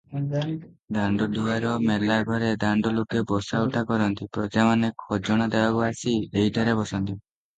ଦାଣ୍ଡଦୁଆର ମେଲାଘରେ ଦାଣ୍ଡଲୋକେ ବସା ଉଠା କରନ୍ତି, ପ୍ରଜାମାନେ ଖଜଣା ଦେବାକୁ ଆସି ଏହିଠାରେ ବସନ୍ତି ।